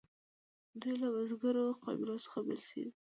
دوی له بزګرو قبیلو څخه بیل شول.